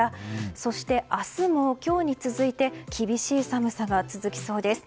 そして、明日も今日に続いて厳しい寒さが続きそうです。